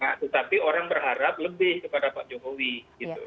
nah tetapi orang berharap lebih kepada pak jokowi gitu